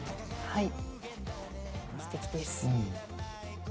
はい。